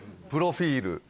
プロフィール